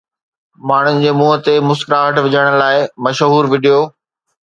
ماڻهن جي منهن تي مسڪراهٽ وجهڻ لاءِ مشهور وڊيو